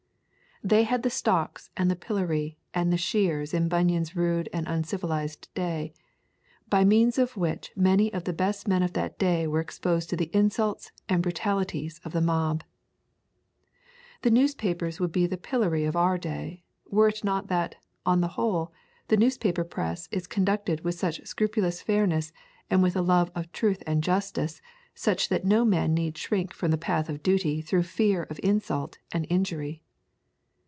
They had the stocks and the pillory and the shears in Bunyan's rude and uncivilised day, by means of which many of the best men of that day were exposed to the insults and brutalities of the mob. The newspapers would be the pillory of our day, were it not that, on the whole, the newspaper press is conducted with such scrupulous fairness and with a love of truth and justice such that no man need shrink from the path of duty through fear of insult and injury.